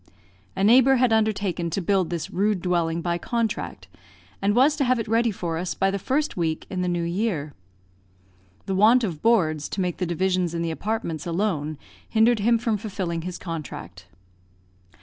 A neighbour had undertaken to build this rude dwelling by contract, and was to have it ready for us by the first week in the new year. The want of boards to make the divisions in the apartments alone hindered him from fulfilling his contract.